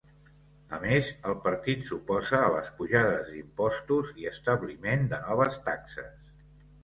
A més el partit s'oposa a les pujades d'impostos i establiment de noves taxes.